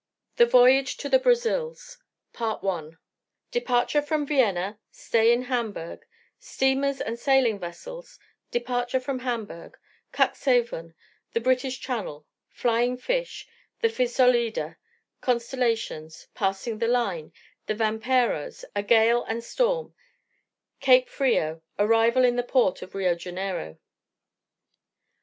THE VOYAGE TO THE BRAZILS. DEPARTURE FROM VIENNA STAY IN HAMBURGH STEAMERS AND SAILING VESSELS DEPARTURE FROM HAMBURGH CUXHAVEN THE BRITISH CHANNEL FLYING FISH THE PHISOLIDA CONSTELLATIONS PASSING THE LINE THE "VAMPEROS" A GALE AND STORM CAPE FRIO ARRIVAL IN THE PORT OF RIO JANEIRO.